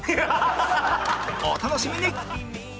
お楽しみに！